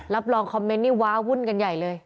รับรองคอมเมนต์นี่ว้าวุ่นกันใหญ่เลย